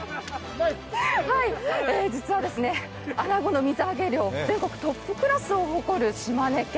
実はあなごの水揚げ量、全国トップクラスを誇る島根県。